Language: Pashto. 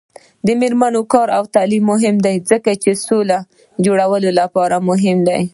د میرمنو کار او تعلیم مهم دی ځکه چې سولې جوړولو لپاره مهم دی.